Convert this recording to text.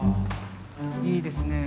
いいですねえ。